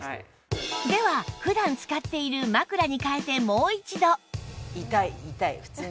では普段使っている枕に替えてもう一度